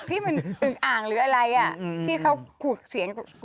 ที่มันอึงอ่างหรืออะไรอ่ะที่เขาขูดเสียง